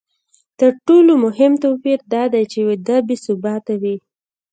تر ټولو مهم توپیر دا دی چې وده بې ثباته وي